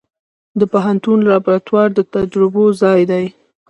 د پوهنتون لابراتوار د تجربو ځای دی.